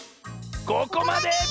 ここまで！